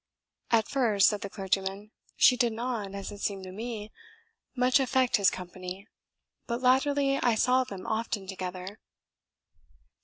"At first," said the clergyman, "she did not, as it seemed to me, much affect his company; but latterly I saw them often together."